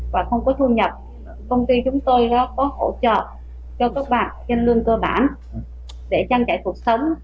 và không có thu nhập công ty chúng tôi có hỗ trợ cho các bạn trên lương cơ bản để trang trải cuộc sống